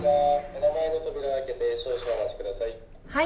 目の前の扉を開けて少々お待ち下さい。